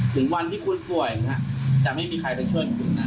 ถึงวันที่คุณผ่วยนะฮะจะไม่มีใครจะช่วยคุณนะครับ